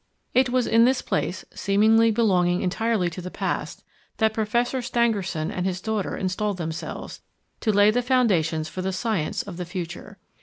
It was in this place, seemingly belonging entirely to the past, that Professor Stangerson and his daughter installed themselves to lay the foundations for the science of the future.